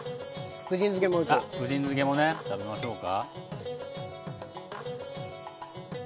福神漬けもね食べましょうか。